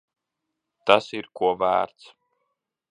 Tas ir ko vērts.